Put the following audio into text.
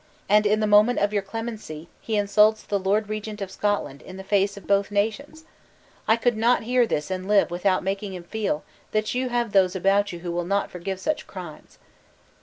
and in the moment of your clemency, he insults the Lord Regent of Scotland in the face of both nations! I could not hear this and live without making him feel that you have those about you who will not forgive such crimes."